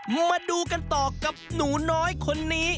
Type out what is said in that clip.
มาดูกันต่อกับหนูน้อยคนนี้